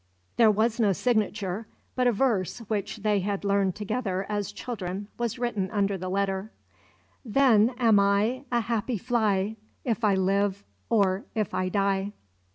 There was no signature, but a verse which they had learned together as children was written under the letter: "Then am I A happy fly, If I live Or if I die."